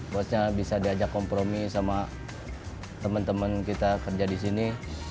bosnya bisa diajak kompromi sama teman teman kita kerja di sini